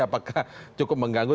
apakah cukup mengganggu